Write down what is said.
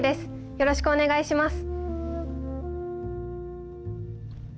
よろしくお願いします